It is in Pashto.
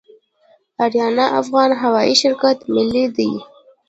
اریانا افغان هوایی شرکت ملي دی